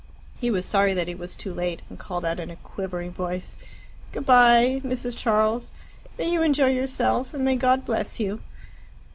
He was sorry that he was too late, and called out in a quivering voice, "Good bye, Mrs. Charles. May you enjoy yourself, and may God bless you."